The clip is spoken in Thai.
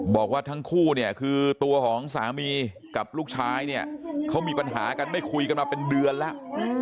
บอกว่าทั้งคู่เนี่ยคือตัวของสามีกับลูกชายเนี่ยเขามีปัญหากันไม่คุยกันมาเป็นเดือนแล้ว